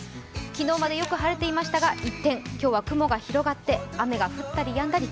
昨日までよく晴れていましたが、一転、今日は雲が広がって雨が降ったりやんだり。